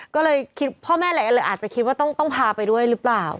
ก็เลยพ่อแม่อาจจะคิดว่าต้องพาไปด้วยหรือเปล่า